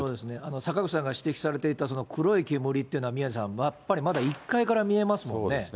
坂口さんが指摘されていた黒い煙っていうのは、宮根さん、やっぱりまだ１階から見えますもんね。